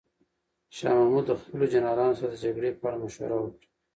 شاه محمود د خپلو جنرالانو سره د جګړې په اړه مشوره وکړه.